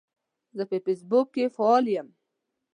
زه په فیسبوک کې فعال یم.